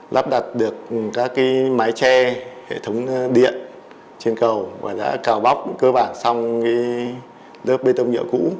lắp đặt được các mái tre hệ thống điện trên cầu và đã cào bóc cơ bản xong lớp bê tông nhựa cũ